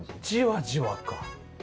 じわじわか。